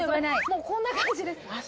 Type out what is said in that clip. もうこんな感じですあ